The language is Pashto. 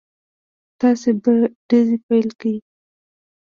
تاسې به ډزې پيل کړئ.